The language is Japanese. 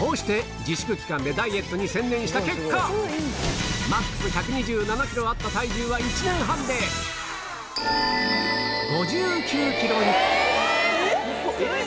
こうして自粛期間でダイエットに専念した結果ＭＡＸ１２７ｋｇあった体重は１年半でえっ？